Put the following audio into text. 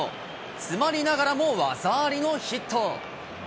詰まりながらも技ありのヒット。